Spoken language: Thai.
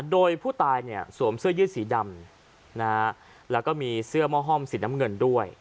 โดยผู้ตายเนี่ยสวมเสื้อยืดสีดำแล้วก็มีเสื้อหม้อห้อมสีน้ำเงินด้วย